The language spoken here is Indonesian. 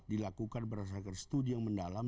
dilakukan berdasarkan studi yang mendalam